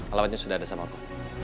alamatnya sudah ada sama aku